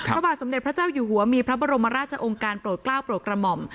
พระบาทสมเด็จพระเจ้าอยู่หัวมีพระบรมราชองค์การโปรดกล้าวโปรดกระหม่อม